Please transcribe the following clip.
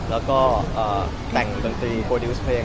แล้วก็แต่งดนตรีโปรดิวส์เพลง